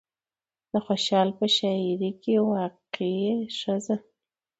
د خوشال په شاعرۍ کې واقعي ښځه